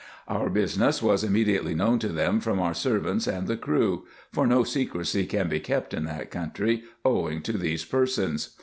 Our business was immediately known to them from our servants and the crew; for no secrecy can be kept in that country, owing to these persons.